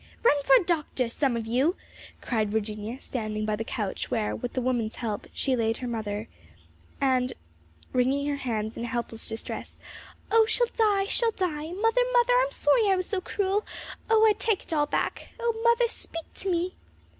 "Run for a doctor, some of you!" cried Virginia, standing by the couch where, with the woman's help, she had laid her mother, and wringing her hands in helpless distress. "Oh, she'll die! she'll die! Mother, mother! I'm sorry I was so cruel! Oh, I take it all back. Oh, mother, speak to me!"